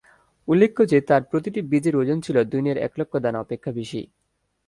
উল্লেখ্য যে, তাঁর প্রতিটি বীজের ওজন ছিল দুনিয়ার এক লক্ষ দানা অপেক্ষা বেশি।